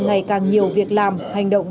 ngày càng nhiều việc làm hành động